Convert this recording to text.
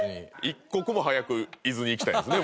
一刻も早く伊豆に行きたいんですね